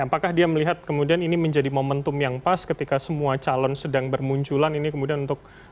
apakah dia melihat kemudian ini menjadi momentum yang pas ketika semua calon sedang bermunculan ini kemudian untuk